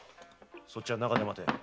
そっちは中で待ってろ。